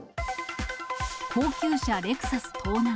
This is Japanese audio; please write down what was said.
高級車レクサス盗難。